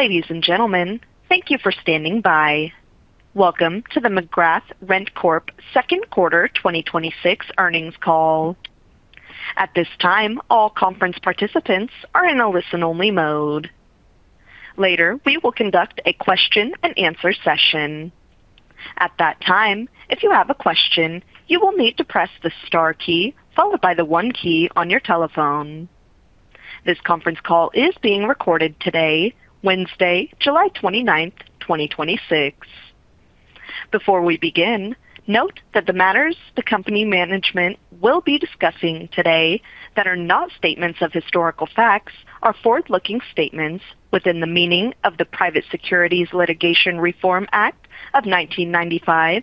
Ladies and gentlemen, thank you for standing by. Welcome to the McGrath RentCorp second quarter 2026 earnings call. At this time, all conference participants are in a listen-only mode. Later, we will conduct a question-and-answer session. At that time, if you have a question, you will need to press the star key followed by the one key on your telephone. This conference call is being recorded today, Wednesday, July 29th, 2026. Before we begin, note that the matters the company management will be discussing today that are not statements of historical facts are forward-looking statements within the meaning of the Private Securities Litigation Reform Act of 1995,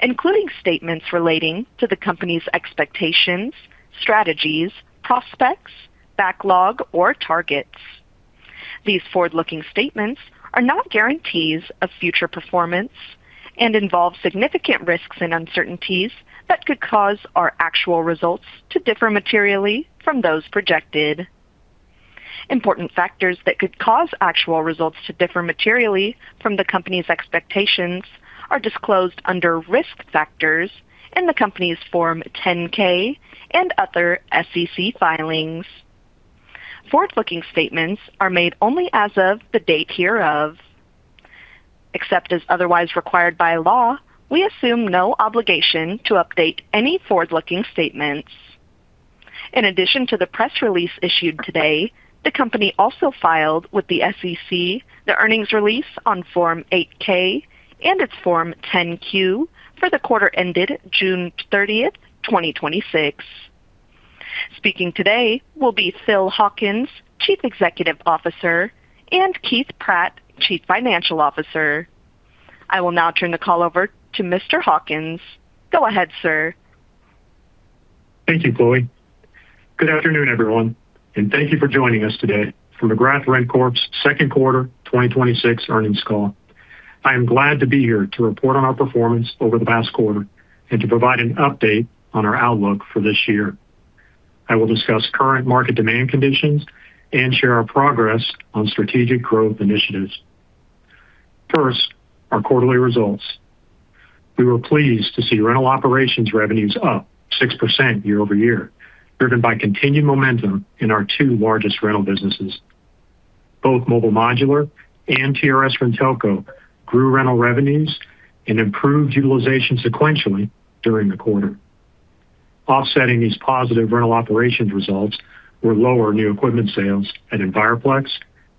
including statements relating to the company's expectations, strategies, prospects, backlog, or targets. These forward-looking statements are not guarantees of future performance and involve significant risks and uncertainties that could cause our actual results to differ materially from those projected. Important factors that could cause actual results to differ materially from the company's expectations are disclosed under Risk Factors in the company's Form 10-K and other SEC filings. Forward-looking statements are made only as of the date hereof. Except as otherwise required by law, we assume no obligation to update any forward-looking statements. In addition to the press release issued today, the company also filed with the SEC the earnings release on Form 8-K and its Form 10-Q for the quarter ended June 30th, 2026. Speaking today will be Phil Hawkins, Chief Executive Officer, and Keith Pratt, Chief Financial Officer. I will now turn the call over to Mr. Hawkins. Go ahead, sir. Thank you, Chloe. Good afternoon, everyone, and thank you for joining us today for McGrath RentCorp's second quarter 2026 earnings call. I am glad to be here to report on our performance over the past quarter and to provide an update on our outlook for this year. I will discuss current market demand conditions and share our progress on strategic growth initiatives. First, our quarterly results. We were pleased to see rental operations revenues up 6% year-over-year, driven by continued momentum in our two largest rental businesses. Both Mobile Modular and TRS-RenTelco grew rental revenues and improved utilization sequentially during the quarter. Offsetting these positive rental operations results were lower new equipment sales at Enviroplex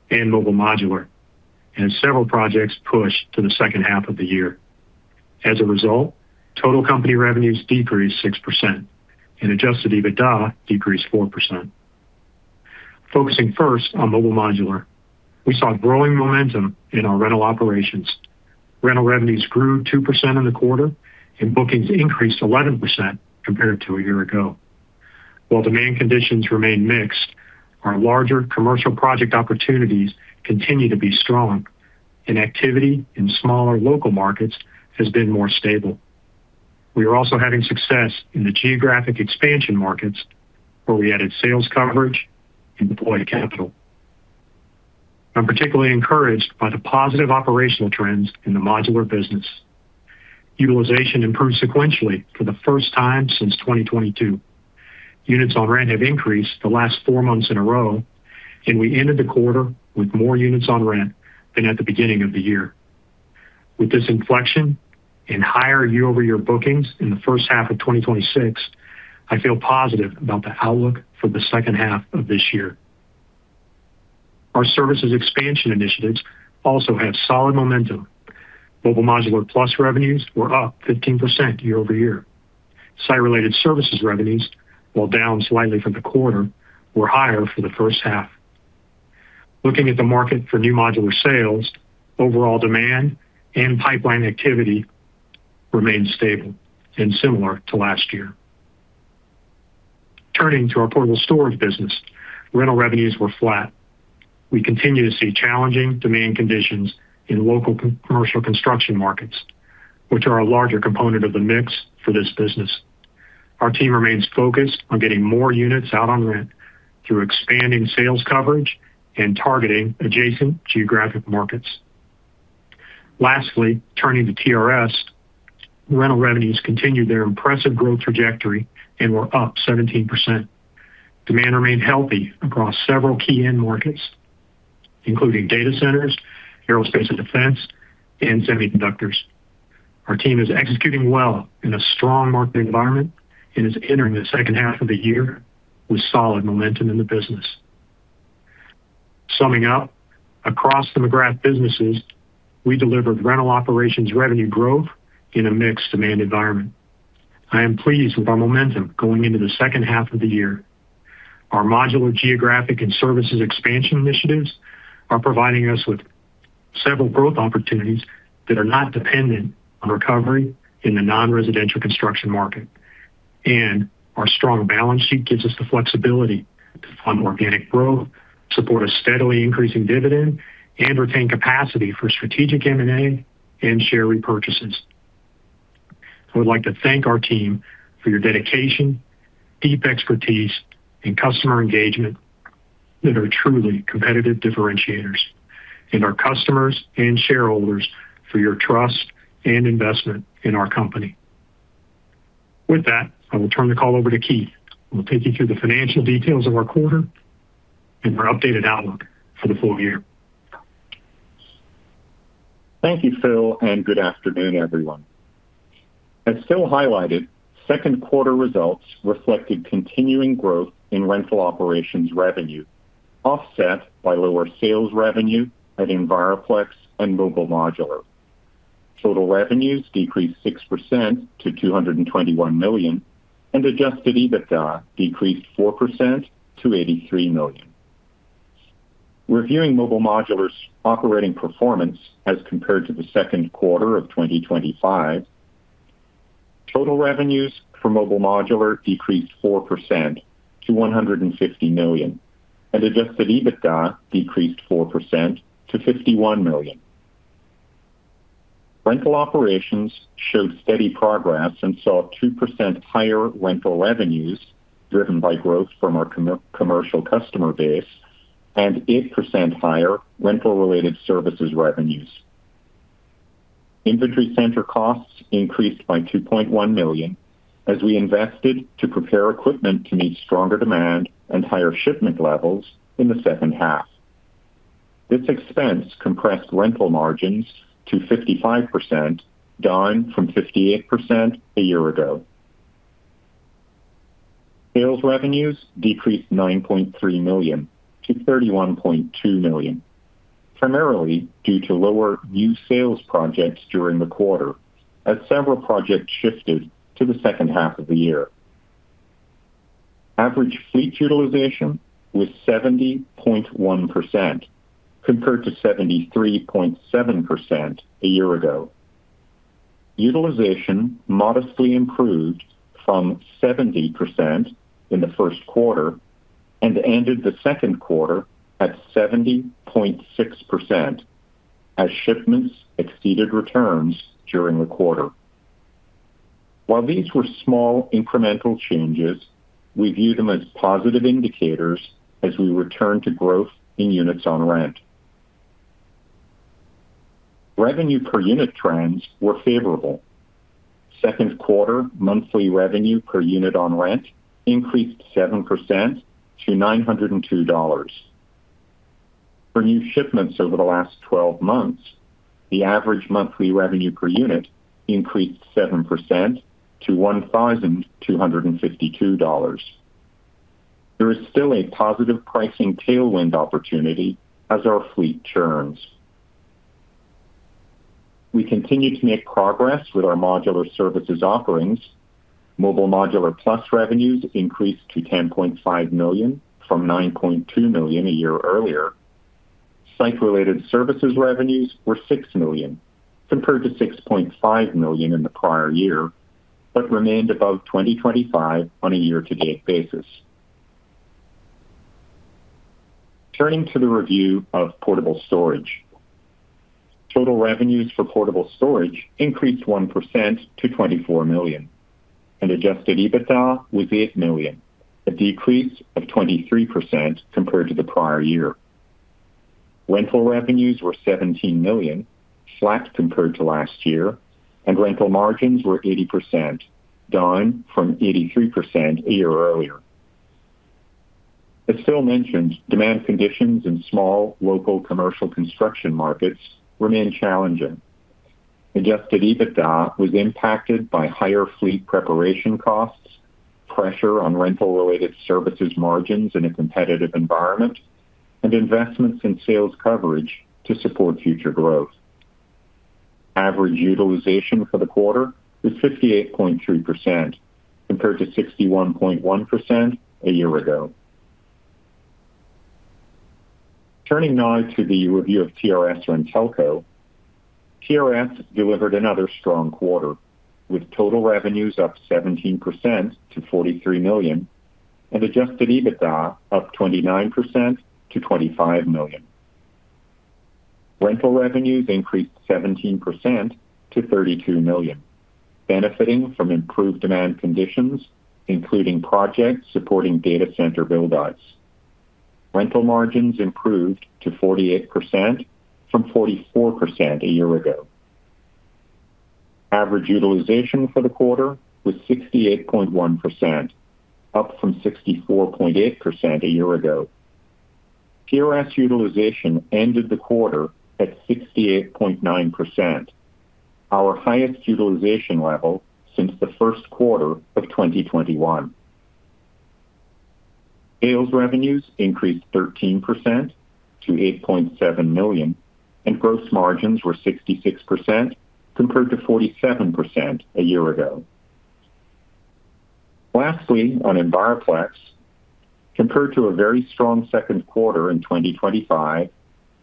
and Mobile Modular, and several projects pushed to the second half of the year. As a result, total company revenues decreased 6% and adjusted EBITDA decreased 4%. Focusing first on Mobile Modular, we saw growing momentum in our rental operations. Rental revenues grew 2% in the quarter, and bookings increased 11% compared to a year ago. While demand conditions remain mixed, our larger commercial project opportunities continue to be strong, and activity in smaller local markets has been more stable. We are also having success in the geographic expansion markets where we added sales coverage and deployed capital. I'm particularly encouraged by the positive operational trends in the modular business. Utilization improved sequentially for the first time since 2022. Units on rent have increased the last four months in a row, and we ended the quarter with more units on rent than at the beginning of the year. With this inflection and higher year-over-year bookings in the first half of 2026, I feel positive about the outlook for the second half of this year. Our services expansion initiatives also have solid momentum. Mobile Modular Plus revenues were up 15% year-over-year. Site-related services revenues, while down slightly from the quarter, were higher for the first half. Looking at the market for new modular sales, overall demand and pipeline activity remained stable and similar to last year. Turning to our portable storage business, rental revenues were flat. We continue to see challenging demand conditions in local commercial construction markets, which are a larger component of the mix for this business. Our team remains focused on getting more units out on rent through expanding sales coverage and targeting adjacent geographic markets. Lastly, turning to TRS-RenTelco, rental revenues continued their impressive growth trajectory and were up 17%. Demand remained healthy across several key end markets, including data centers, aerospace and defense, and semiconductors. Our team is executing well in a strong market environment and is entering the second half of the year with solid momentum in the business. Summing up, across the McGrath businesses, we delivered rental operations revenue growth in a mixed demand environment. I am pleased with our momentum going into the second half of the year. Our modular geographic and services expansion initiatives are providing us with several growth opportunities that are not dependent on recovery in the non-residential construction market. Our strong balance sheet gives us the flexibility to fund organic growth, support a steadily increasing dividend, and retain capacity for strategic M&A and share repurchases. I would like to thank our team for your dedication, deep expertise, and customer engagement that are truly competitive differentiators. Our customers and shareholders for your trust and investment in our company. With that, I will turn the call over to Keith, who will take you through the financial details of our quarter and our updated outlook for the full-year. Thank you, Phil, and good afternoon, everyone. As Phil highlighted, second quarter results reflected continuing growth in rental operations revenue, offset by lower sales revenue at Enviroplex and Mobile Modular. Total revenues decreased 6% to $221 million, and adjusted EBITDA decreased 4% to $83 million. Reviewing Mobile Modular's operating performance as compared to the second quarter of 2025. Total revenues for Mobile Modular decreased 4% to $150 million, and adjusted EBITDA decreased 4% to $51 million. Rental operations showed steady progress and saw 2% higher rental revenues, driven by growth from our commercial customer base and 8% higher rental-related services revenues. Inventory center costs increased by $2.1 million as we invested to prepare equipment to meet stronger demand and higher shipment levels in the second half. This expense compressed rental margins to 55%, down from 58% a year ago. Sales revenues decreased $9.3 million to $31.2 million, primarily due to lower new sales projects during the quarter, as several projects shifted to the second half of the year. Average fleet utilization was 70.1%, compared to 73.7% a year ago. Utilization modestly improved from 70% in the first quarter and ended the second quarter at 70.6% as shipments exceeded returns during the quarter. While these were small incremental changes, we view them as positive indicators as we return to growth in units on rent. Revenue per unit trends were favorable. Second quarter monthly revenue per unit on rent increased 7% to $902. For new shipments over the last 12 months, the average monthly revenue per unit increased 7% to $1,252. There is still a positive pricing tailwind opportunity as our fleet churns. We continue to make progress with our modular services offerings. Mobile Modular Plus revenues increased to $10.5 million from $9.2 million a year earlier. Site-related services revenues were $6 million compared to $6.5 million in the prior year, but remained above 2025 on a year-to-date basis. Turning to the review of portable storage. Total revenues for portable storage increased 1% to $24 million, and adjusted EBITDA was $8 million, a decrease of 23% compared to the prior year. Rental revenues were $17 million, flat compared to last year, and rental margins were 80%, down from 83% a year earlier. As Phil mentioned, demand conditions in small local commercial construction markets remain challenging. Adjusted EBITDA was impacted by higher fleet preparation costs, pressure on rental-related services margins in a competitive environment, and investments in sales coverage to support future growth. Average utilization for the quarter was 58.3%, compared to 61.1% a year ago. Turning now to the review of TRS-RenTelco. TRS delivered another strong quarter, with total revenues up 17% to $43 million and adjusted EBITDA up 29% to $25 million. Rental revenues increased 17% to $32 million, benefiting from improved demand conditions, including projects supporting data center build-outs. Rental margins improved to 48% from 44% a year ago. Average utilization for the quarter was 68.1%, up from 64.8% a year ago. TRS utilization ended the quarter at 68.9%, our highest utilization level since the first quarter of 2021. Sales revenues increased 13% to $8.7 million, and gross margins were 66% compared to 47% a year ago. Lastly, on Enviroplex. Compared to a very strong second quarter in 2025,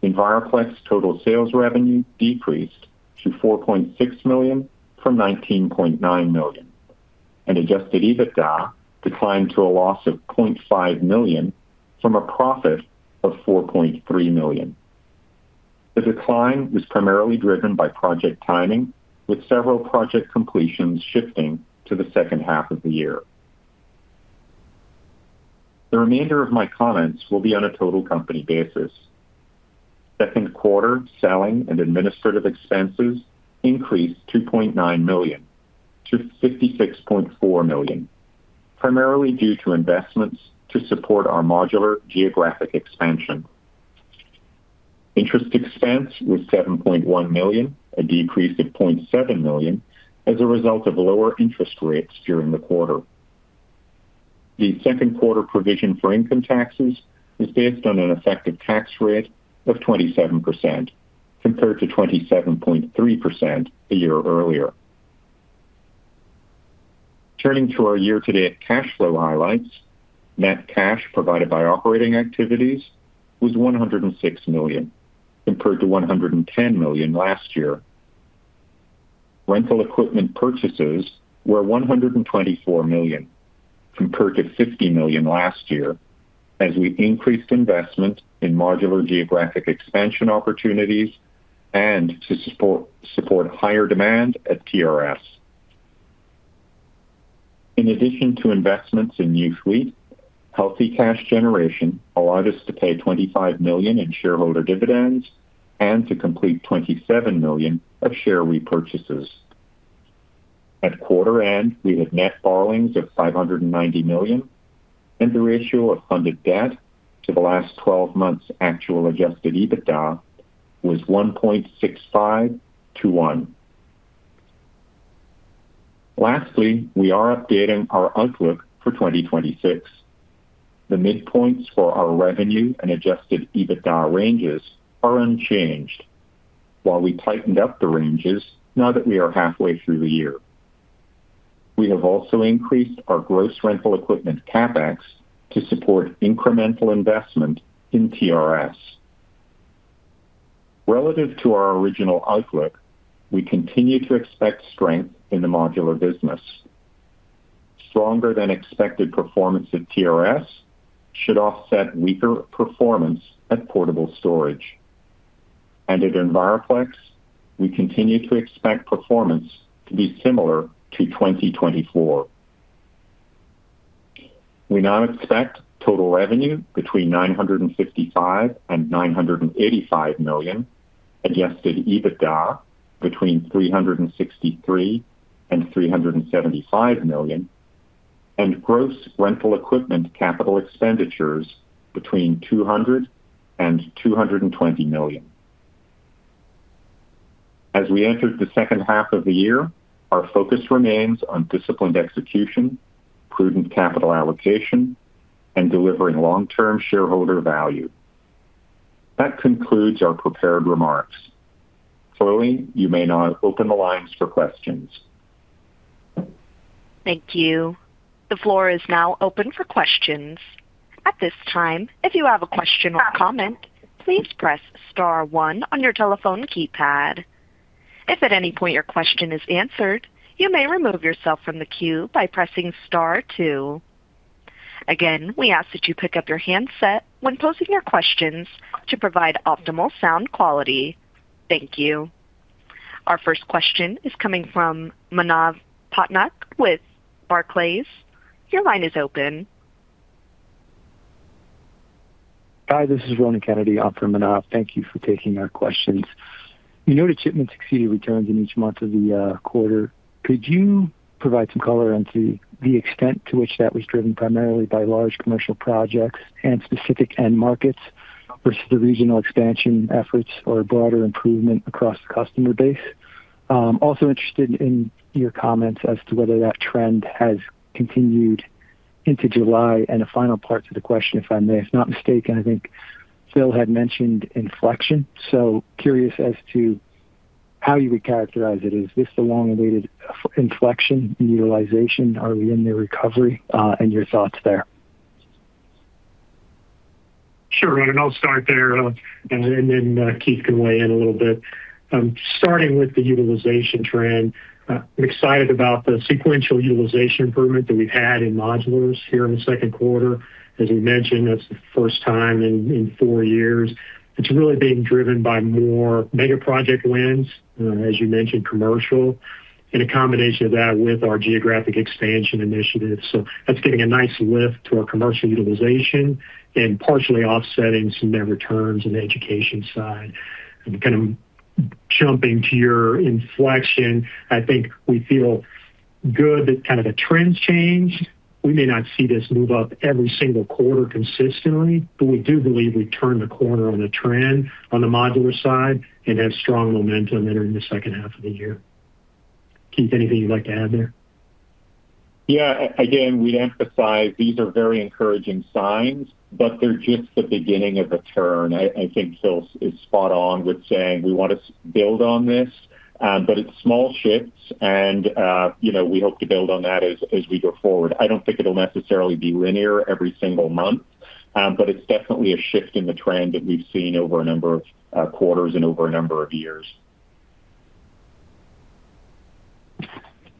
Enviroplex total sales revenue decreased to $4.6 million from $19.9 million, and adjusted EBITDA declined to a loss of $0.5 million from a profit of $4.3 million. The decline was primarily driven by project timing, with several project completions shifting to the second half of the year. The remainder of my comments will be on a total company basis. Second quarter selling and administrative expenses increased $2.9 million to $56.4 million, primarily due to investments to support our modular geographic expansion. Interest expense was $7.1 million, a decrease of $0.7 million as a result of lower interest rates during the quarter. The second quarter provision for income taxes is based on an effective tax rate of 27% compared to 27.3% a year earlier. Turning to our year-to-date cash flow highlights. Net cash provided by operating activities was $106 million, compared to $110 million last year. Rental equipment purchases were $124 million compared to $50 million last year, as we increased investment in modular geographic expansion opportunities and to support higher demand at TRS. In addition to investments in new fleet, healthy cash generation allowed us to pay $25 million in shareholder dividends and to complete $27 million of share repurchases. At quarter end, we had net borrowings of $590 million, and the ratio of funded debt to the last 12 months actual adjusted EBITDA was 1.65:1. Lastly, we are updating our outlook for 2026. The midpoints for our revenue and adjusted EBITDA ranges are unchanged. While we tightened up the ranges now that we are halfway through the year. We have also increased our gross rental equipment CapEx to support incremental investment in TRS. Relative to our original outlook, we continue to expect strength in the modular business. Stronger than expected performance at TRS should offset weaker performance at portable storage. At Enviroplex, we continue to expect performance to be similar to 2024. We now expect total revenue between $955 million and $985 million, adjusted EBITDA between $363 million and $375 million, and gross rental equipment capital expenditures between $200 million and $220 million. As we enter the second half of the year, our focus remains on disciplined execution, prudent capital allocation, and delivering long-term shareholder value. That concludes our prepared remarks. Chloe, you may now open the lines for questions. Thank you. The floor is now open for questions. At this time, if you have a question or comment, please press star one on your telephone keypad. If at any point your question is answered, you may remove yourself from the queue by pressing star two. Again, we ask that you pick up your handset when posing your questions to provide optimal sound quality. Thank you. Our first question is coming from Manav Patnaik with Barclays. Your line is open. Hi, this is Ronan Kennedy on for Manav. Thank you for taking our questions. We note that shipments exceeded returns in each month of the quarter. Could you provide some color into the extent to which that was driven primarily by large commercial projects and specific end markets versus the regional expansion efforts or broader improvement across the customer base? I'm also interested in your comments as to whether that trend has continued into July. A final part to the question, if I may, if I'm not mistaken, I think Phil had mentioned inflection, so curious as to how you would characterize it? Is this the long-awaited inflection in utilization? Are we in the recovery? Your thoughts there. Sure, Ronan. I will start there, then Keith can weigh in a little bit. Starting with the utilization trend, I'm excited about the sequential utilization improvement that we have had in modulars here in the second quarter. As we mentioned, that is the first time in four years. It is really being driven by more mega project wins, as you mentioned, commercial, and a combination of that with our geographic expansion initiatives. That is giving a nice lift to our commercial utilization and partially offsetting some never turns in the education side. Kind of jumping to your inflection, I think we feel good that kind of the trend has changed. We may not see this move up every single quarter consistently, but we do believe we turned the corner on a trend on the modular side and have strong momentum entering the second half of the year. Keith, anything you would like to add there? Yeah. Again, we would emphasize these are very encouraging signs, but they are just the beginning of the turn. I think Phil is spot on with saying we want to build on this, but it is small shifts and we hope to build on that as we go forward. I do not think it will necessarily be linear every single month, but it is definitely a shift in the trend that we have seen over a number of quarters and over a number of years.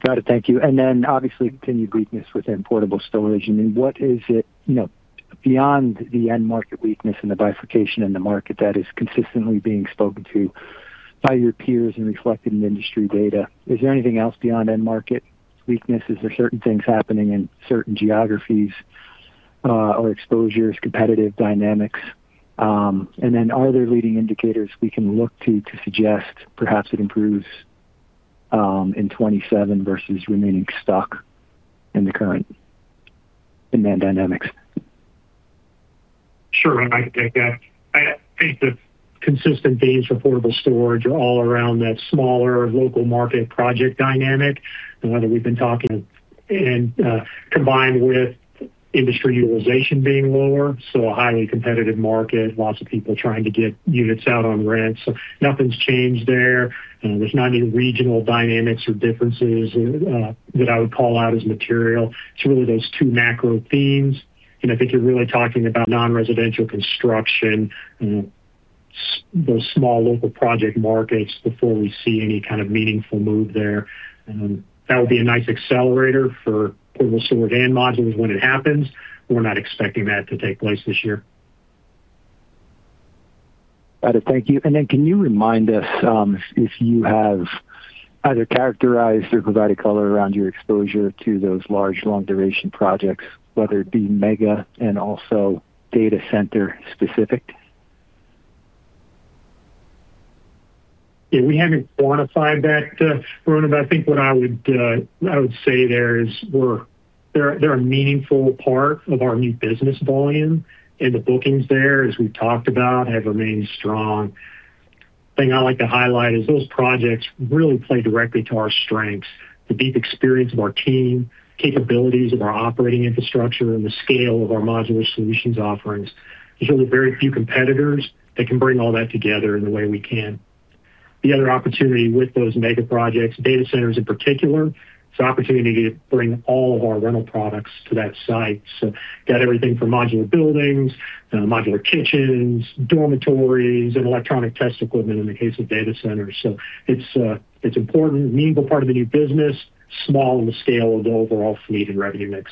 Got it, thank you. Then obviously continued weakness within portable storage. I mean, what is it, beyond the end market weakness and the bifurcation in the market that is consistently being spoken to by your peers and reflected in industry data, is there anything else beyond end market weakness? Is there certain things happening in certain geographies, or exposures, competitive dynamics? Then are there leading indicators we can look to to suggest perhaps it improves in 2027 versus remaining stuck in the current demand dynamics? Sure, I can take that. I think the consistent themes for portable storage are all around that smaller local market project dynamic, the one that we have been talking. Combined with industry utilization being lower, a highly competitive market, lots of people trying to get units out on rent. Nothing has changed there. There is not any regional dynamics or differences that I would call out as material. It is really those two macro themes. I think you are really talking about non-residential construction, those small local project markets before we see any kind of meaningful move there. That would be a nice accelerator for portable storage and modules when it happens. We are not expecting that to take place this year. Got it, thank you. Then can you remind us, if you have either characterized or provided color around your exposure to those large long duration projects, whether it be mega and also data center specific? Yeah, we haven't quantified that, Ronan, I think what I would say there is they're a meaningful part of our new business volume and the bookings there, as we've talked about, have remained strong. Thing I like to highlight is those projects really play directly to our strengths, the deep experience of our team, capabilities of our operating infrastructure, and the scale of our modular solutions offerings. There's only very few competitors that can bring all that together in the way we can. The other opportunity with those mega projects, data centers in particular, it's an opportunity to bring all of our rental products to that site. Got everything from modular buildings, modular kitchens, dormitories, and electronic test equipment in the case of data centers. It's important, meaningful part of the new business, small in the scale of the overall fleet and revenue mix.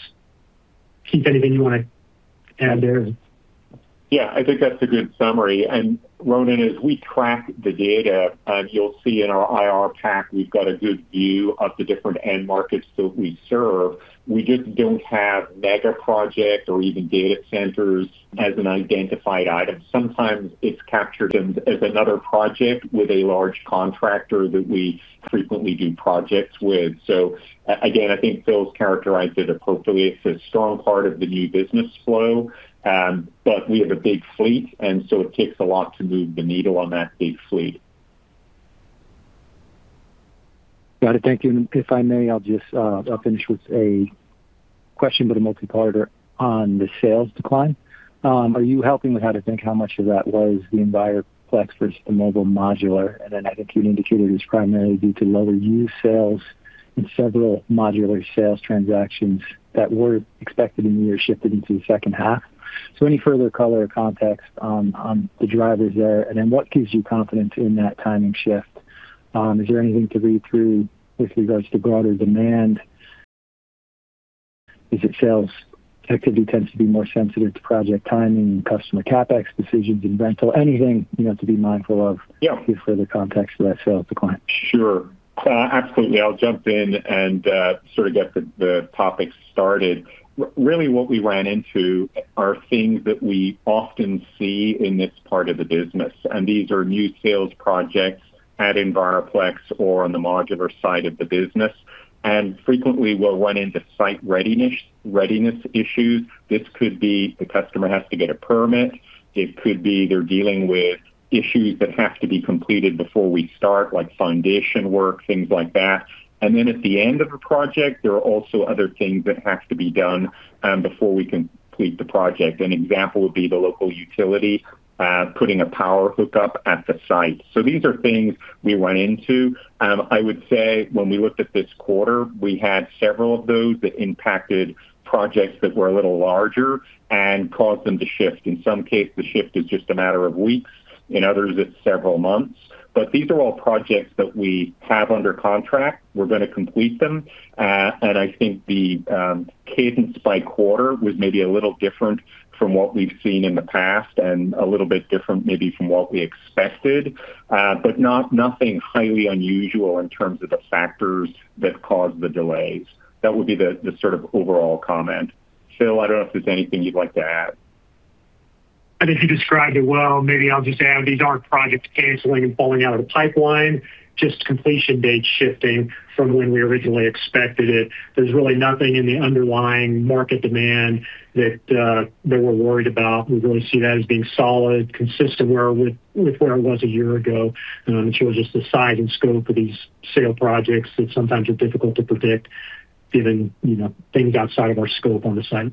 Keith, anything you want to add there? Yeah, I think that's a good summary. Ronan, as we track the data, and you'll see in our IR pack, we've got a good view of the different end markets that we serve. We just don't have mega project or even data centers as an identified item. Sometimes it's captured as another project with a large contractor that we frequently do projects with. Again, I think Phil's characterized it appropriately. It's a strong part of the new business flow, but we have a big fleet, and so it takes a lot to move the needle on that big fleet. Got it, thank you. If I may, I'll finish with a question, a multipart on the sales decline. Are you helping with how to think how much of that was the Enviroplex versus the Mobile Modular? I think you indicated it's primarily due to lower used sales and several modular sales transactions that were expected in the year shifted into the second half. Any further color or context on the drivers there, and what gives you confidence in that timing shift? Is there anything to read through with regards to broader demand? Is sales activity tends to be more sensitive to project timing and customer CapEx decisions in rental? Anything to be mindful of? Give further context to that sales decline. Yeah, sure. Absolutely, I'll jump in and get the topic started. What we ran into are things that we often see in this part of the business, and these are new sales projects at Enviroplex or on the Mobile Modular side of the business. Frequently, we'll run into site readiness issues. This could be the customer has to get a permit. It could be they're dealing with issues that have to be completed before we start, like foundation work, things like that. At the end of a project, there are also other things that have to be done before we complete the project. An example would be the local utility, putting a power hookup at the site. These are things we run into. I would say when we looked at this quarter, we had several of those that impacted projects that were a little larger and caused them to shift. In some cases, the shift is just a matter of weeks. In others, it's several months. These are all projects that we have under contract. We're going to complete them. I think the cadence by quarter was maybe a little different from what we've seen in the past and a little bit different maybe from what we expected. Nothing highly unusual in terms of the factors that caused the delays. That would be the overall comment. Phil, I don't know if there's anything you'd like to add? I think you described it well. Maybe I'll just add, these aren't projects canceling and falling out of the pipeline, just completion date shifting from when we originally expected it. There's really nothing in the underlying market demand that we're worried about. We really see that as being solid, consistent with where it was a year ago. I'm sure it's just the size and scope of these sale projects that sometimes are difficult to predict given things outside of our scope on the site.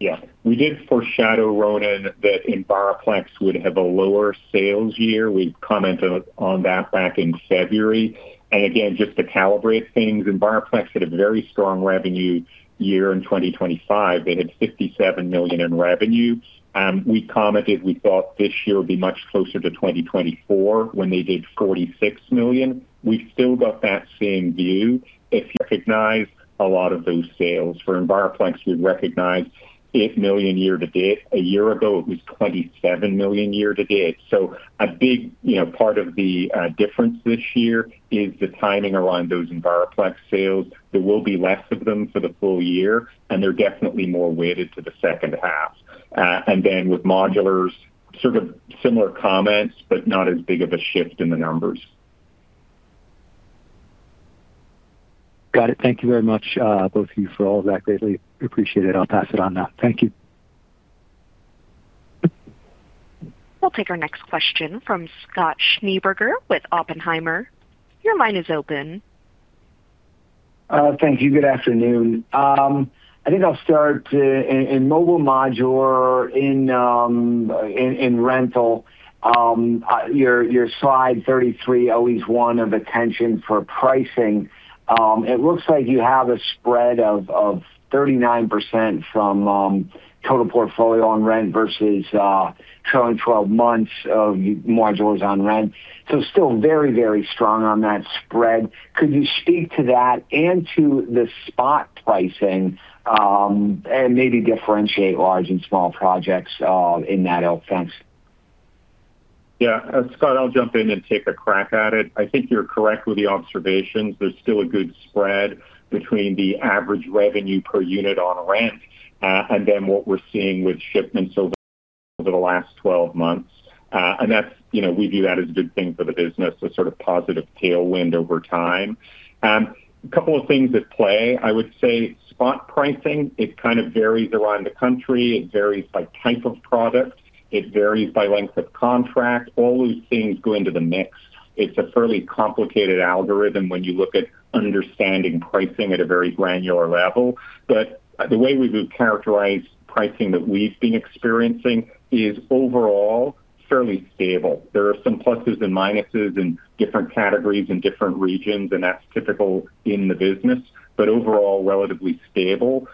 Yeah. We did foreshadow, Ronan, that Enviroplex would have a lower sales year. We commented on that back in February. Again, just to calibrate things, Enviroplex had a very strong revenue year in 2025. They had $57 million in revenue. We commented we thought this year would be much closer to 2024, when they did $46 million. We've still got that same view. If you recognize a lot of those sales for Enviroplex, we've recognized $8 million year-to-date. A year ago, it was $27 million year-to-date. A big part of the difference this year is the timing around those Enviroplex sales. There will be less of them for the full-year, and they're definitely more weighted to the second half. With modular's sort of similar comments, but not as big of a shift in the numbers. Got it. Thank you very much, both of you, for all of that. Greatly appreciate it. I'll pass it on now. Thank you. We'll take our next question from Scott Schneeberger with Oppenheimer. Your line is open. Thank you and good afternoon. I think I'll start in Mobile Modular in rental. Your slide 33 always one of attention for pricing. It looks like you have a spread of 39% from total portfolio on rent versus trailing 12 months of modulars on rent. Still very strong on that spread. Could you speak to that and to the spot pricing, and maybe differentiate large and small projects in that outlook? Scott, I'll jump in and take a crack at it. I think you're correct with the observations. There's still a good spread between the average revenue per unit on rent, then what we're seeing with shipments over the last 12 months. We view that as a good thing for the business, a sort of positive tailwind over time. A couple of things at play, I would say spot pricing, it kind of varies around the country. It varies by type of product. It varies by length of contract. All these things go into the mix. It's a fairly complicated algorithm when you look at understanding pricing at a very granular level. The way we would characterize pricing that we've been experiencing is overall fairly stable. There are some pluses and minuses in different categories in different regions, that's typical in the business, overall, relatively stable.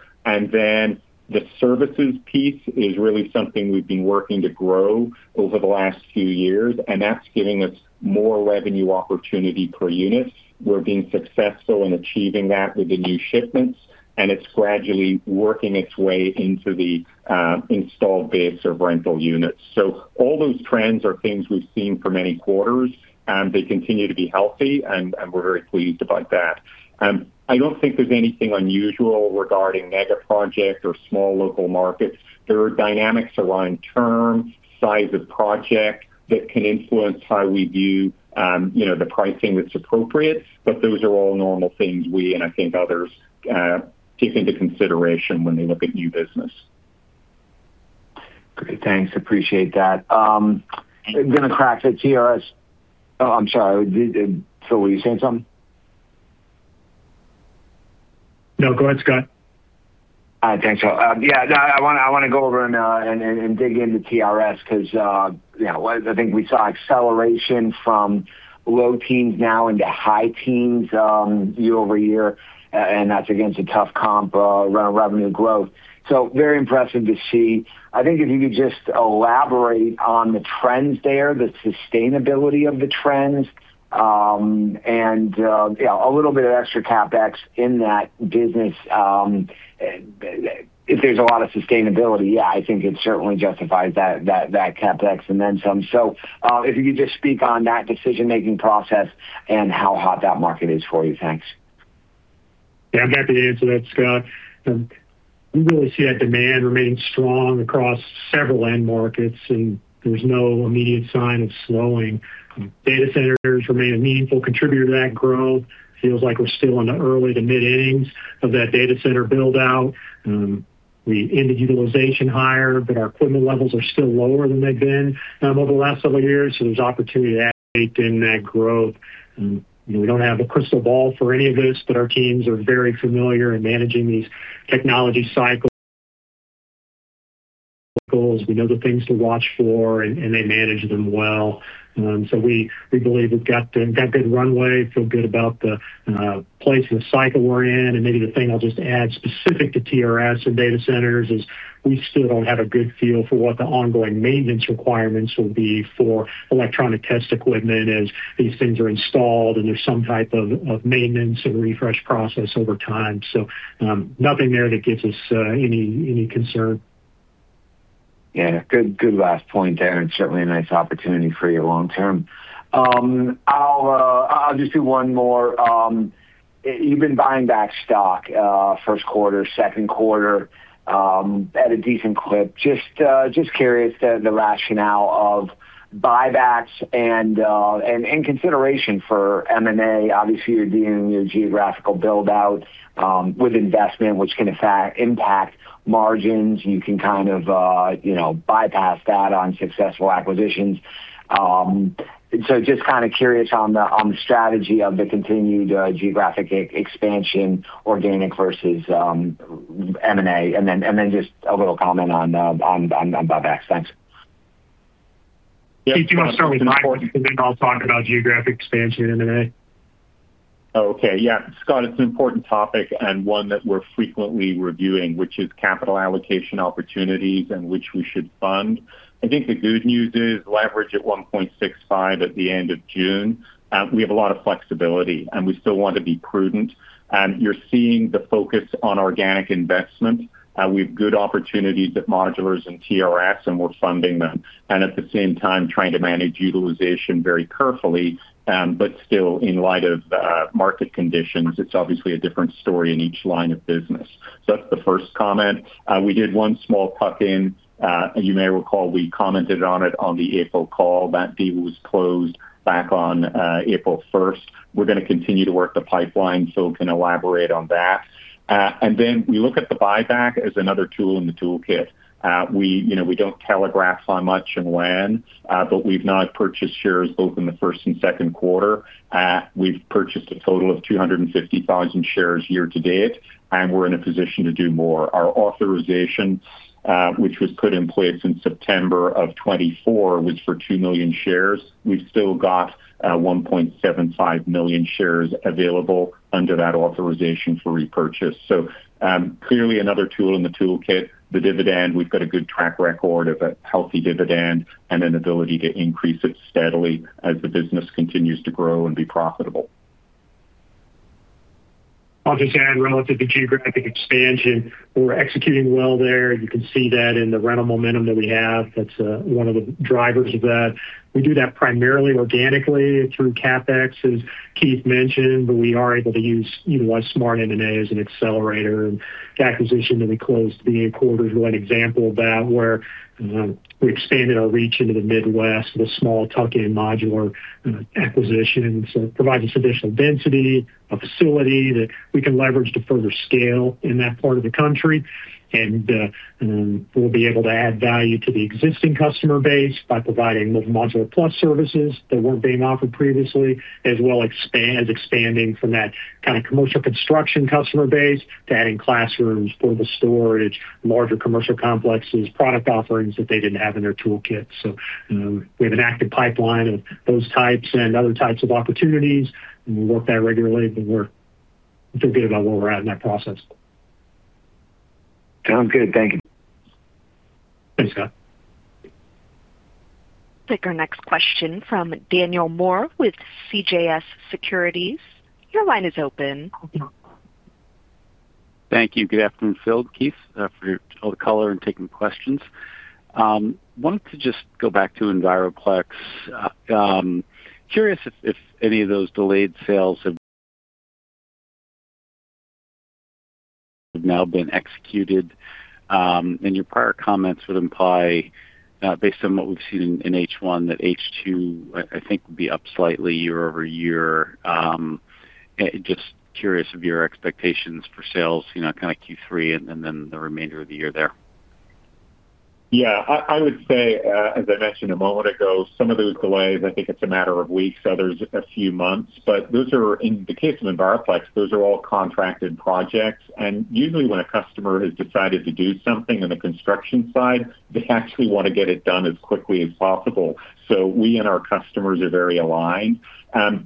The services piece is really something we've been working to grow over the last few years, that's giving us more revenue opportunity per unit. We're being successful in achieving that with the new shipments, it's gradually working its way into the installed base of rental units. All those trends are things we've seen for many quarters, they continue to be healthy, we're very pleased about that. I don't think there's anything unusual regarding mega projects or small local markets. There are dynamics around terms, size of project, that can influence how we view the pricing that's appropriate. Those are all normal things we and I think others take into consideration when they look at new business. Great. Thanks, appreciate that. I'm going to crack the TRS-RenTelco. I'm sorry. Phil, were you saying something? No, go ahead, Scott. Thanks, Phil. Yeah, no, I want to go over and dig into TRS-RenTelco because I think we saw acceleration from low teens now into high teens year-over-year. That's against a tough comp around revenue growth. Very impressive to see. I think if you could just elaborate on the trends there, the sustainability of the trends, and a little bit of extra CapEx in that business. If there's a lot of sustainability, I think it certainly justifies that CapEx and then some. If you could just speak on that decision-making process and how hot that market is for you. Thanks. Yeah, I'm happy to answer that, Scott. We really see that demand remain strong across several end markets, and there's no immediate sign of slowing. Data centers remain a meaningful contributor to that growth. Feels like we're still in the early to mid innings of that data center build-out. We ended utilization higher, but our equipment levels are still lower than they've been over the last several years. There's opportunity to activate in that growth. We don't have a crystal ball for any of this, but our teams are very familiar in managing these technology cycles. We know the things to watch for, and they manage them well. We believe we've got good runway, feel good about the place in the cycle we're in. Maybe the thing I'll just add specific to TRS-RenTelco and data centers is we still don't have a good feel for what the ongoing maintenance requirements will be for electronic test equipment as these things are installed and there's some type of maintenance or refresh process over time. Nothing there that gives us any concern. Yeah. Good last point there, and certainly a nice opportunity for you long term. I'll just do one more. You've been buying back stock first quarter, second quarter, at a decent clip. Just curious, the rationale of buybacks and consideration for M&A. Obviously, you're doing your geographical build-out with investment, which can impact margins. You can kind of bypass that on successful acquisitions. Just curious on the strategy of the continued geographic expansion, organic versus M&A, then just a little comment on buybacks. Thanks. Keith, do you want to start with my point, then I'll talk about geographic expansion and M&A? Okay. Yeah, Scott, it's an important topic and one that we're frequently reviewing, which is capital allocation opportunities and which we should fund. I think the good news is leverage at 1.65 at the end of June. We have a lot of flexibility, we still want to be prudent. You're seeing the focus on organic investment. We have good opportunities at Modulars and TRS-RenTelco, we're funding them, at the same time trying to manage utilization very carefully. Still, in light of market conditions, it's obviously a different story in each line of business. That's the first comment. We did one small tuck-in. You may recall we commented on it on the April call. That deal was closed back on April 1st. We're going to continue to work the pipeline, we can elaborate on that. Then we look at the buyback as another tool in the toolkit. We don't telegraph on much and when, we've not purchased shares both in the first and second quarter. We've purchased a total of 250,000 shares year-to-date, we're in a position to do more. Our authorization, which was put in place in September of 2024, was for 2 million shares. We've still got 1.75 million shares available under that authorization for repurchase. Clearly another tool in the toolkit. The dividend, we've got a good track record of a healthy dividend an ability to increase it steadily as the business continues to grow and be profitable. I'll just add relative to geographic expansion, we're executing well there. You can see that in the rental momentum that we have. That's one of the drivers of that. We do that primarily organically through CapEx, as Keith mentioned, but we are able to use smart M&A as an accelerator. The acquisition that we closed at the end of quarter is one example of that, where we expanded our reach into the Midwest with a small tuck-in modular acquisition. It provides us additional density, a facility that we can leverage to further scale in that part of the country. We'll be able to add value to the existing customer base by providing those Mobile Modular Plus services that weren't being offered previously, as well as expanding from that kind of commercial construction customer base to adding classrooms, portable storage, larger commercial complexes, product offerings that they didn't have in their toolkit. We have an active pipeline of those types and other types of opportunities, and we work that regularly, but we'll forget about where we're at in that process. Sounds good. Thank you. Thanks, Scott. Take our next question from Daniel Moore with CJS Securities. Your line is open. Thank you. Good afternoon, Phil, Keith, for all the color and taking questions. Wanted to just go back to Enviroplex. Curious if any of those delayed sales have now been executed. Your prior comments would imply, based on what we've seen in H1, that H2, I think, would be up slightly year-over-year. Curious of your expectations for sales, kind of Q3 and then the remainder of the year there. I would say, as I mentioned a moment ago, some of those delays, I think it's a matter of weeks, others, a few months. In the case of Enviroplex, those are all contracted projects, and usually when a customer has decided to do something on the construction side, they actually want to get it done as quickly as possible. We and our customers are very aligned.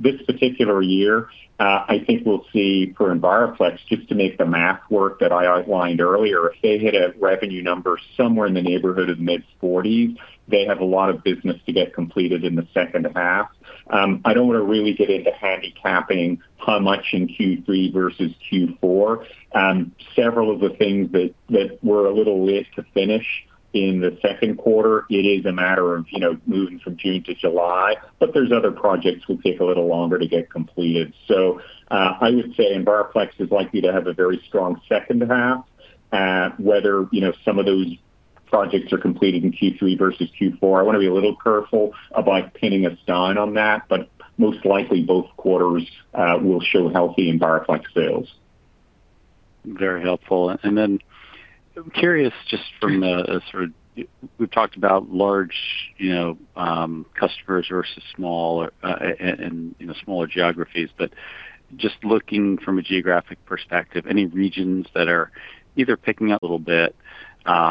This particular year, I think we'll see for Enviroplex, just to make the math work that I outlined earlier, if they hit a revenue number somewhere in the neighborhood of mid-40s, they have a lot of business to get completed in the second half. I don't want to really get into handicapping how much in Q3 versus Q4. Several of the things that were a little late to finish in the second quarter, it is a matter of moving from June to July. There's other projects that will take a little longer to get completed. I would say Enviroplex is likely to have a very strong second half. Whether some of those projects are completed in Q3 versus Q4, I want to be a little careful about pinning a sign on that, but most likely, both quarters will show healthy Enviroplex sales. Very helpful. I'm curious, we've talked about large customers versus smaller geographies, but just looking from a geographic perspective, any regions that are either picking up a little bit,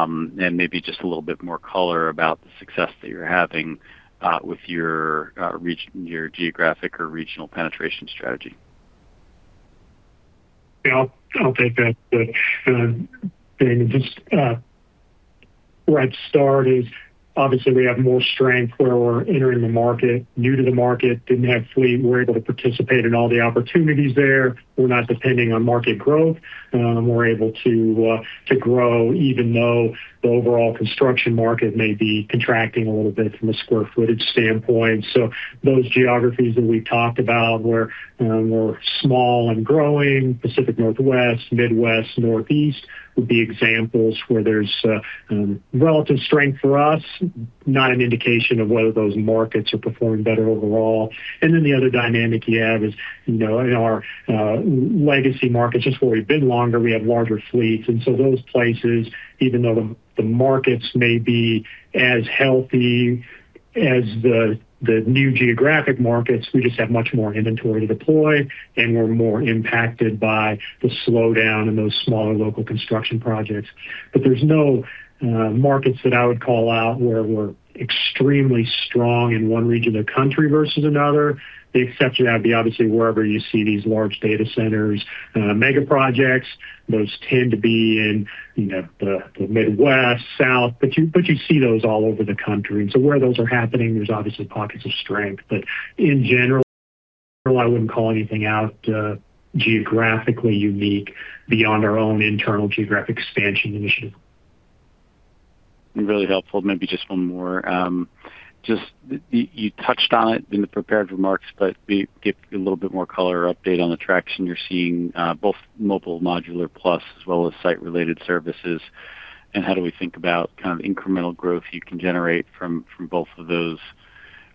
maybe just a little bit more color about the success that you're having with your geographic or regional penetration strategy. Yeah, I'll take that, Dan. Where I'd start is obviously we have more strength where we're entering the market, new to the market, didn't have fleet. We're able to participate in all the opportunities there. We're not depending on market growth. We're able to grow even though the overall construction market may be contracting a little bit from a square footage standpoint. Those geographies that we talked about where we're small and growing, Pacific Northwest, Midwest, Northeast, would be examples where there's relative strength for us, not an indication of whether those markets are performing better overall. The other dynamic you have is in our legacy markets, just where we've been longer, we have larger fleets. Those places, even though the markets may be as healthy as the new geographic markets, we just have much more inventory to deploy, and we're more impacted by the slowdown in those smaller local construction projects. There's no markets that I would call out where we're extremely strong in one region of the country versus another. The exception would be obviously wherever you see these large data centers, mega projects. Those tend to be in the Midwest, South, but you see those all over the country. Where those are happening, there's obviously pockets of strength. Well, I wouldn't call anything out geographically unique beyond our own internal geographic expansion initiative. Really helpful. Maybe just one more, you touched on it in the prepared remarks, but can you give a little bit more color or update on the traction you're seeing, both Mobile Modular Plus as well as site-related services, and how do we think about incremental growth you can generate from both of those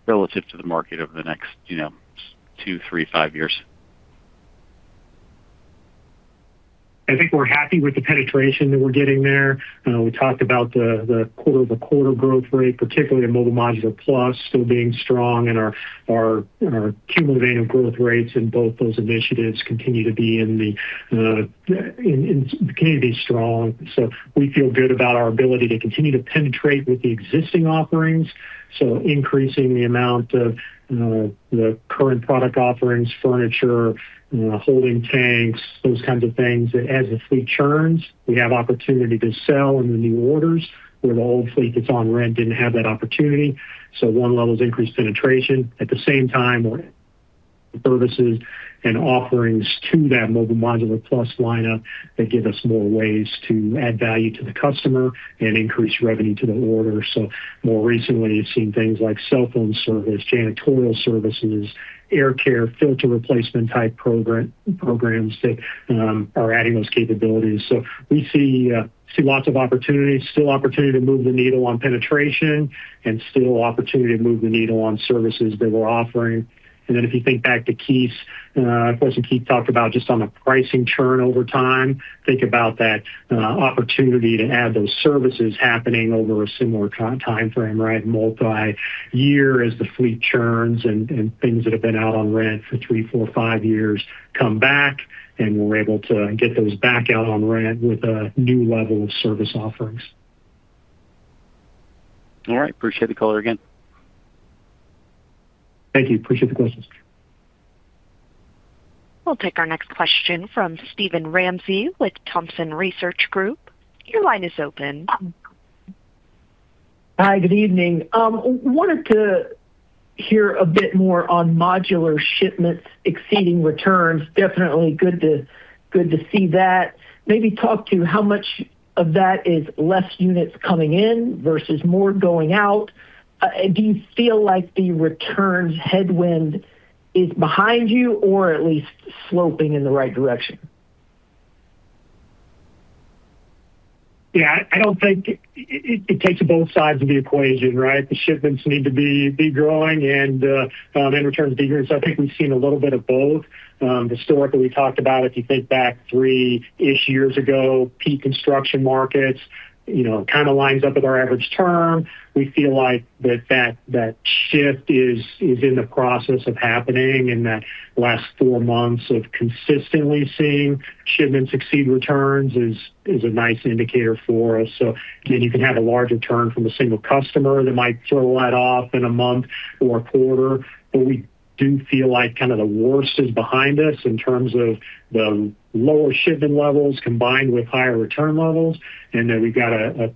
relative to the market over the next two, three, five years? I think we're happy with the penetration that we're getting there. We talked about the quarter-over-quarter growth rate, particularly in Mobile Modular Plus, still being strong and our cumulative growth rates in both those initiatives continue to be strong. We feel good about our ability to continue to penetrate with the existing offerings. Increasing the amount of the current product offerings, furniture, holding tanks, those kinds of things. As the fleet churns, we have opportunity to sell in the new orders where the old fleet that's on rent didn't have that opportunity. One level is increased penetration. At the same time, services and offerings to that Mobile Modular Plus lineup that give us more ways to add value to the customer and increase revenue to the order. More recently, you've seen things like cell phone service, janitorial services, air care, filter replacement type programs that are adding those capabilities. We see lots of opportunities. Still opportunity to move the needle on penetration and still opportunity to move the needle on services that we're offering. If you think back to Keith, of course, Keith talked about just on the pricing churn over time, think about that opportunity to add those services happening over a similar time frame, right? Multi-year as the fleet churns and things that have been out on rent for three, four, five years come back and we're able to get those back out on rent with a new level of service offerings. All right. Appreciate the color again. Thank you. Appreciate the questions. We'll take our next question from Steven Ramsey with Thompson Research Group. Your line is open. Hi, good evening. Wanted to hear a bit more on modular shipments exceeding returns. Definitely good to see that. Maybe talk to how much of that is less units coming in versus more going out. Do you feel like the returns headwind is behind you or at least sloping in the right direction? Yeah, it takes both sides of the equation, right? The shipments need to be growing and returns be growing. I think we've seen a little bit of both. Historically, we talked about if you think back three-ish years ago, peak construction markets kind of lines up with our average term. We feel like that shift is in the process of happening and that last four months of consistently seeing shipments exceed returns is a nice indicator for us. Again, you can have a large return from a single customer that might throw that off in a month or a quarter. We do feel like kind of the worst is behind us in terms of the lower shipment levels combined with higher return levels. That we've got a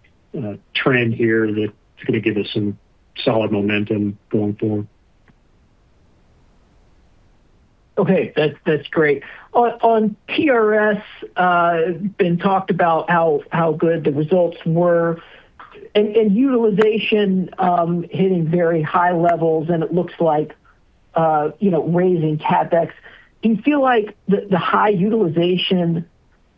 trend here that's going to give us some solid momentum going forward. Okay, that's great. On TRS, been talked about how good the results were and utilization hitting very high levels and it looks like raising CapEx. Do you feel like the high utilization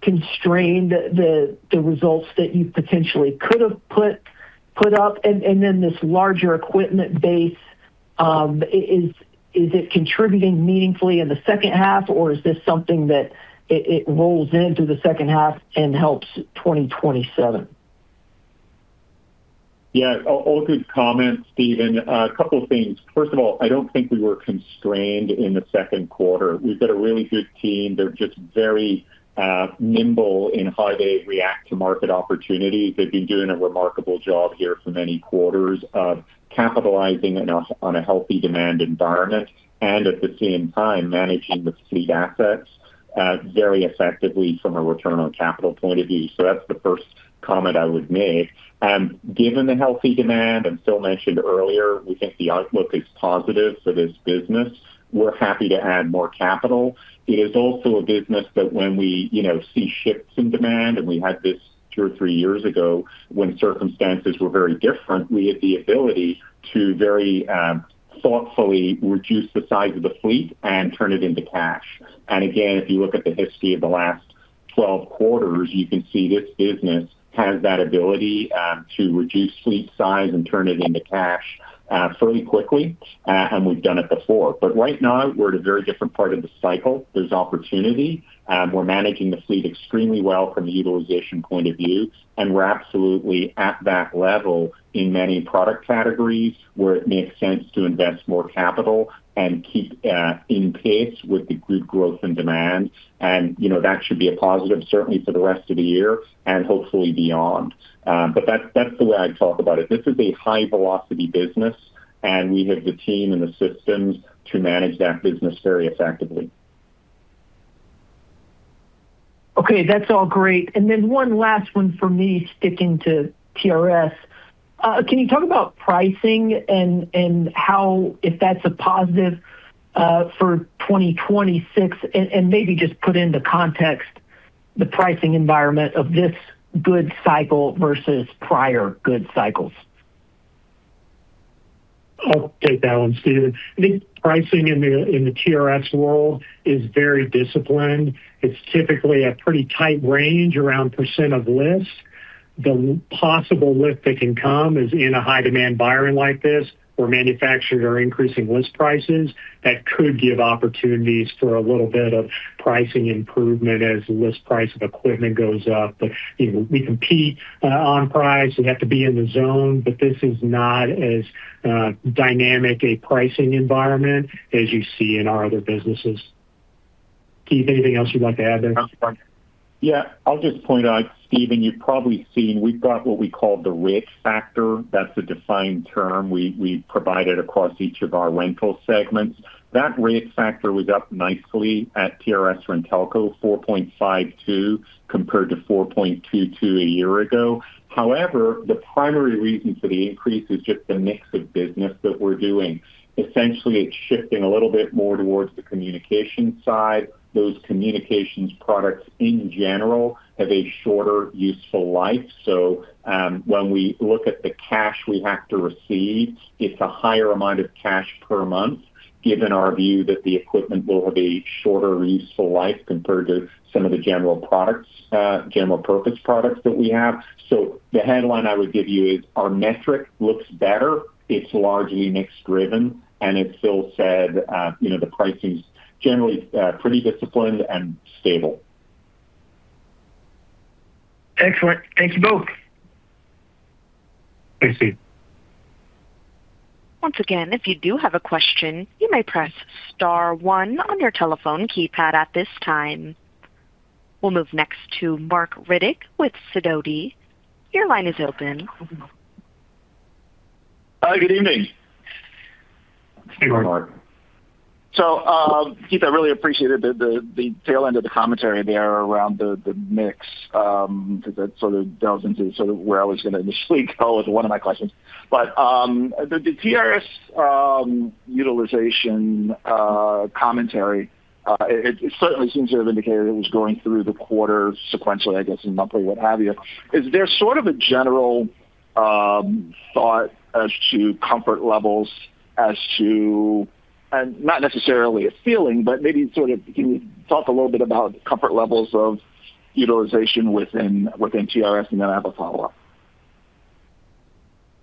constrained the results that you potentially could have put up? This larger equipment base, is it contributing meaningfully in the second half or is this something that it rolls into the second half and helps 2027? All good comments, Steven. A couple of things. First of all, I don't think we were constrained in the second quarter. We've got a really good team. They're just very nimble in how they react to market opportunities. They've been doing a remarkable job here for many quarters of capitalizing on a healthy demand environment and at the same time managing the fleet assets very effectively from a return on capital point of view. That's the first comment I would make. Given the healthy demand, and Phil mentioned earlier, we think the outlook is positive for this business. We're happy to add more capital. It is also a business that when we see shifts in demand, and we had this two or three years ago when circumstances were very different, we had the ability to very thoughtfully reduce the size of the fleet and turn it into cash. Again, if you look at the history of the last 12 quarters, you can see this business has that ability to reduce fleet size and turn it into cash fairly quickly, and we've done it before. Right now, we're at a very different part of the cycle. There's opportunity. We're managing the fleet extremely well from a utilization point of view, and we're absolutely at that level in many product categories where it makes sense to invest more capital and keep in pace with the good growth and demand. That should be a positive certainly for the rest of the year and hopefully beyond. That's the way I'd talk about it. This is a high velocity business, and we have the team and the systems to manage that business very effectively. That's all great. Then one last one for me, sticking to TRS-RenTelco. Can you talk about pricing and if that's a positive for 2026? Maybe just put into context the pricing environment of this good cycle versus prior good cycles. I'll take that one, Steven. I think pricing in the TRS-RenTelco world is very disciplined. It's typically a pretty tight range, around percent of list. The possible lift that can come is in a high-demand environment like this, where manufacturers are increasing list prices. That could give opportunities for a little bit of pricing improvement as the list price of equipment goes up. We compete on price. We have to be in the zone. This is not as dynamic a pricing environment as you see in our other businesses. Keith, anything else you'd like to add there? Yeah. I'll just point out, Steven, you've probably seen we've got what we call the rate factor. That's a defined term we provide across each of our rental segments. That rate factor was up nicely at TRS-RenTelco, 4.52% compared to 4.22% a year ago. However, the primary reason for the increase is just the mix of business that we're doing. Essentially, it's shifting a little bit more towards the communication side. Those communications products, in general, have a shorter useful life. When we look at the cash we have to receive, it's a higher amount of cash per month given our view that the equipment will have a shorter useful life compared to some of the general purpose products that we have. The headline I would give you is our metric looks better. It's largely mix driven, and it's still said the pricing's generally pretty disciplined and stable. Excellent. Thank you both. Thanks, Steve. Once again, if you do have a question, you may press star one on your telephone keypad at this time. We'll move next to Marc Riddick with Sidoti. Your line is open. Hi, good evening. Hey, Marc. Keith, I really appreciated the tail end of the commentary there around the mix. That sort of delves into where I was going to initially go with one of my questions. The TRS-RenTelco utilization commentary, it certainly seems to have indicated it was going through the quarter sequentially, I guess, and monthly, what have you. Is there sort of a general thought as to comfort levels as to, and not necessarily a feeling, but maybe can you talk a little bit about comfort levels of utilization within TRS-RenTelco, and then I have a follow-up.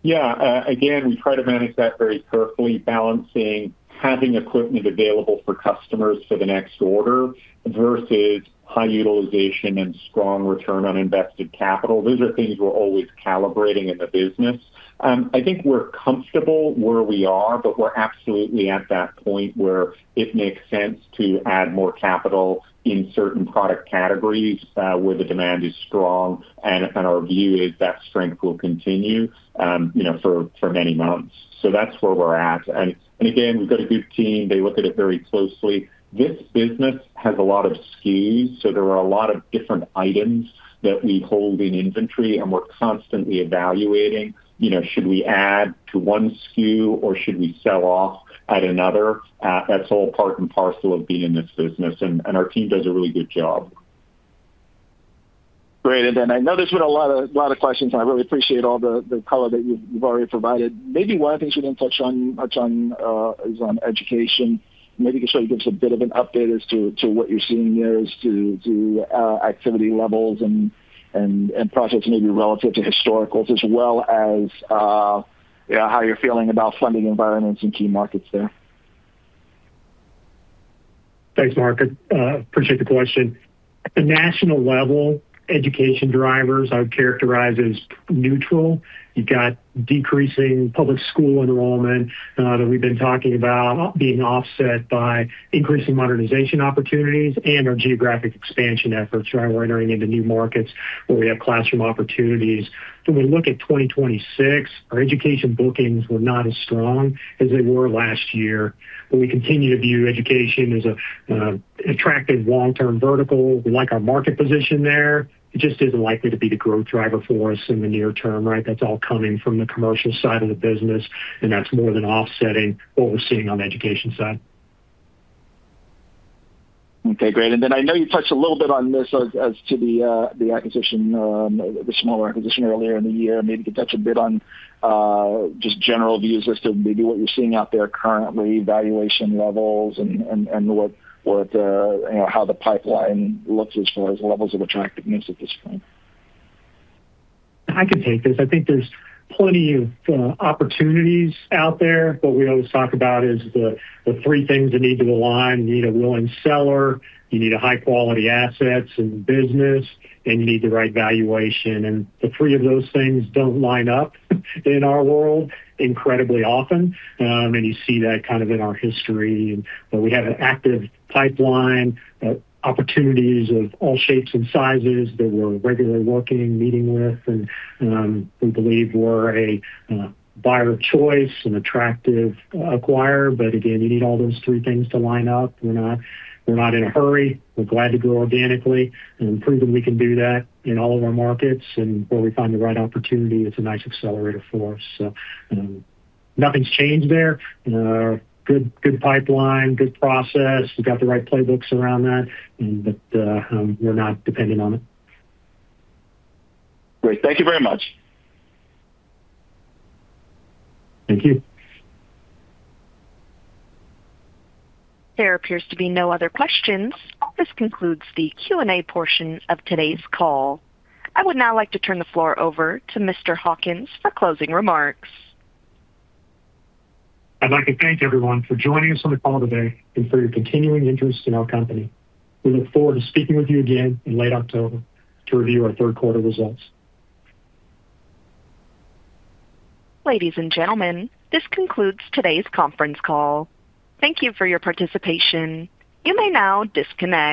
Again, we try to manage that very carefully, balancing having equipment available for customers for the next order versus high utilization and strong return on invested capital. Those are things we're always calibrating in the business. I think we're comfortable where we are, but we're absolutely at that point where it makes sense to add more capital in certain product categories where the demand is strong, and our view is that strength will continue for many months. That's where we're at. Again, we've got a good team. They look at it very closely. This business has a lot of SKUs, so there are a lot of different items that we hold in inventory, and we're constantly evaluating should we add to one SKU or should we sell off at another. That's all part and parcel of being in this business, and our team does a really good job. Great. I know there's been a lot of questions, and I really appreciate all the color that you've already provided. Maybe one of the things you didn't touch on much on is on education. Maybe you could give us a bit of an update as to what you're seeing there as to activity levels and projects maybe relative to historicals as well as how you're feeling about funding environments and key markets there. Thanks, Marc. Appreciate the question. At the national level, education drivers I would characterize as neutral. You've got decreasing public school enrollment that we've been talking about being offset by increasing modernization opportunities and our geographic expansion efforts. We're entering into new markets where we have classroom opportunities. When we look at 2026, our education bookings were not as strong as they were last year. We continue to view education as an attractive long-term vertical. We like our market position there. It just isn't likely to be the growth driver for us in the near term, right? That's all coming from the commercial side of the business, and that's more than offsetting what we're seeing on the education side. Okay, great. I know you touched a little bit on this as to the smaller acquisition earlier in the year. Maybe you could touch a bit on just general views as to maybe what you're seeing out there currently, valuation levels, and how the pipeline looks as far as levels of attractiveness at this point. I can take this. I think there's plenty of opportunities out there. What we always talk about is the three things that need to align. You need a willing seller, you need high-quality assets in the business, and you need the right valuation. The three of those things don't line up in our world incredibly often. You see that kind of in our history. We have an active pipeline of opportunities of all shapes and sizes that we're regularly working and meeting with. We believe we're a buyer of choice, an attractive acquirer. Again, you need all those three things to line up. We're not in a hurry. We're glad to grow organically, and we've proven we can do that in all of our markets. Where we find the right opportunity, it's a nice accelerator for us. Nothing's changed there. Good pipeline, good process. We've got the right playbooks around that. We're not dependent on it. Great, thank you very much. Thank you. There appears to be no other questions. This concludes the Q&A portion of today's call. I would now like to turn the floor over to Mr. Hawkins for closing remarks. I'd like to thank everyone for joining us on the call today and for your continuing interest in our company. We look forward to speaking with you again in late October to review our third quarter results. Ladies and gentlemen, this concludes today's conference call. Thank you for your participation. You may now disconnect.